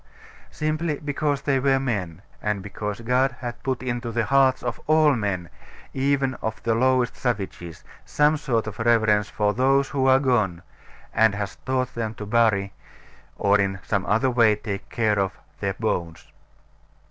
Simply because they were men; and because God has put into the hearts of all men, even of the lowest savages, some sort of reverence for those who are gone; and has taught them to bury, or in some other way take care of, their bones.